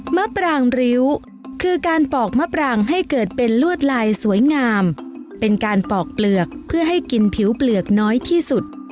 มะปรางริ้วคือการปอกมะปรางให้เกิดเป็นลวดลายสวยงามเป็นการปอกเปลือกเพื่อให้กินผิวเปลือกน้อยที่สุด